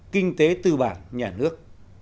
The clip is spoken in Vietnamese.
kinh tế tư bản nhà nước